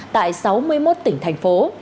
tại sáu mươi một tỉnh thành phố